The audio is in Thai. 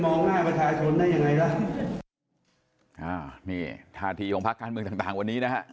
สมมุติพักภูมิใจไทยมากที่สุดพักภูมิใจไทยก็ต้องเป็นนายกครับ